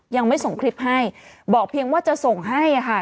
ยังไม่ส่งคลิปให้บอกเพียงว่าจะส่งให้ค่ะ